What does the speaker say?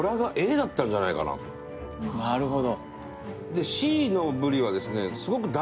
なるほど。